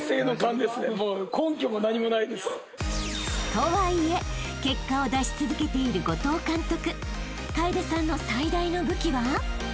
［とはいえ結果を出し続けている後藤監督］